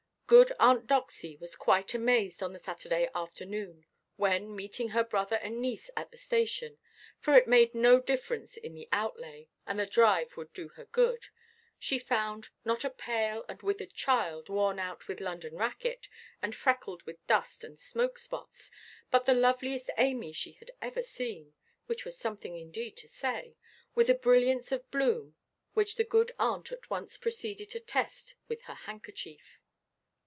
Good Aunt Doxy was quite amazed on the Saturday afternoon, when meeting her brother and niece at the station—for it made no difference in the outlay, and the drive would do her good—she found, not a pale and withered child, worn out with London racket, and freckled with dust and smokespots, but the loveliest Amy she had ever yet seen—which was something indeed to say,—with a brilliance of bloom which the good aunt at once proceeded to test with her handkerchief.